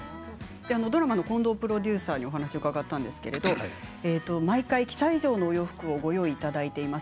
ドラマの近藤プロデューサーにお話を伺ったんですが毎回期待以上の洋服をご用意いただいています。